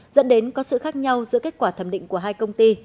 dẫn đến có sự khác nhau giữa kết quả thẩm định của hai công ty